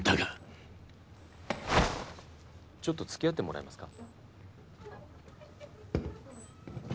ちょっと付き合ってもらえますか？